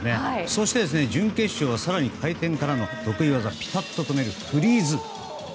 そして準決勝では回転からの得意技ピタッと止めるフリーズ。